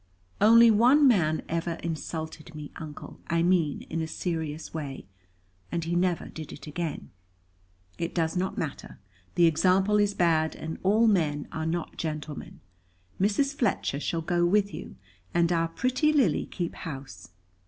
"Only one man ever insulted me, Uncle, I mean in a serious way, and he never did it again." "It does not matter. The example is bad, and all men are not gentlemen. Mrs. Fletcher shall go with you, and our pretty Lily keep house.